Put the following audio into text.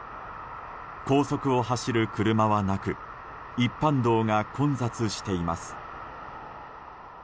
高速を走る車はなく一般道が混雑しています。